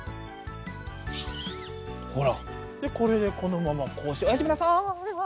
ほらでこれでこのままこうしておやすみなさい。